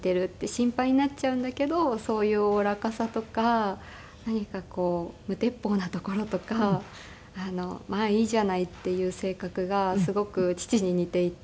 心配になっちゃうんだけどそういうおおらかさとか何かこう無鉄砲なところとかまあいいじゃないっていう性格がすごく父に似ていて。